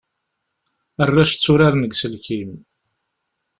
Arac tturaren deg uselkim.